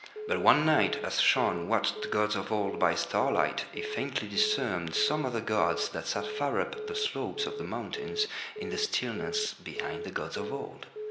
But one night as Shaun watched the gods of Old by starlight, he faintly discerned some other gods that sat far up the slopes of the mountains in the stillness behind the gods of Old.